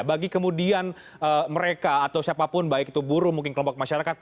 bagi kemudian mereka atau siapapun baik itu buruh mungkin kelompok masyarakat